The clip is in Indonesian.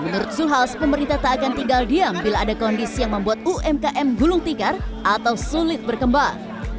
menurut zulkifli hasan pemerintah tak akan tinggal diam bila ada kondisi yang membuat umkm gulung tikar atau sulit berkembang